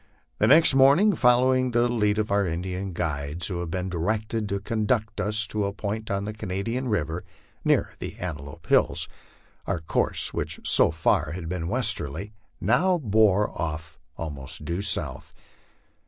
The next morning, following the lead of our Indian guides, who had been directed to conduct us to a point on the Cana dian river near the Antelope Hills, our course, which so far had been westerly, now bore off almost due south.